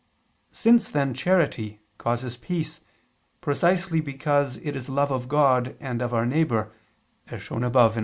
Since then charity causes peace precisely because it is love of God and of our neighbor, as shown above (A.